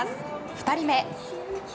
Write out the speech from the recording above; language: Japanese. ２人目。